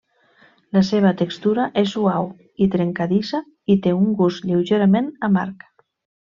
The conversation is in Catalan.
La seva textura és suau i trencadissa i té un gust lleugerament amarg.